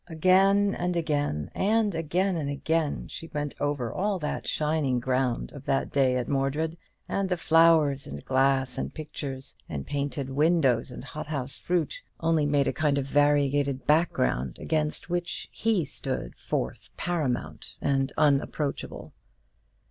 Again and again, and again and again, she went over all the shining ground of that day at Mordred; and the flowers, and glass, and pictures, and painted windows, and hothouse fruit, only made a kind of variegated background, against which he stood forth paramount and unapproachable.